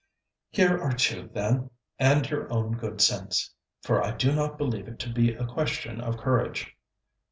'Here are two, then, and your own good sense. For I do not believe it to be a question of courage.'